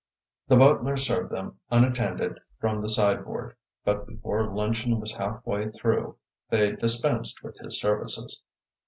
The butler served them unattended from the sideboard, but before luncheon was half way through they dispensed with his services.